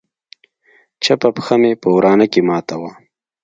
چپه پښه مې په ورانه کښې ماته وه.